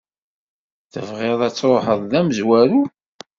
Tebɣiḍ ad truḥeḍ d amezwaru?